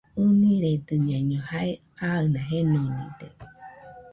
ɨniredɨñaiño jae aɨna jenonide.